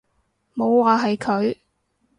冇話係佢